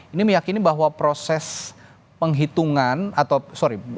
ini meyakini bahwa proses penghitungan atau sorry